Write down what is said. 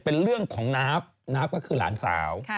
เป็นเรื่องของนาฟน้าฟก็คือหลานสาว